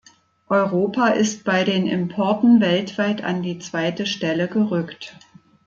Europa ist bei den Importen weltweit an die zweite Stelle gerückt.